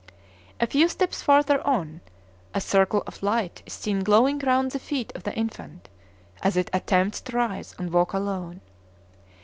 A few steps farther on, a circle of light is seen glowing round the feet of the infant, as it attempts to rise and walk alone.